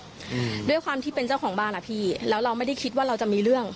อืมด้วยความที่เป็นเจ้าของบ้านอ่ะพี่แล้วเราไม่ได้คิดว่าเราจะมีเรื่อง